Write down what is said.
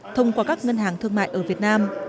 thông qua các ngân hàng thương mại ở việt nam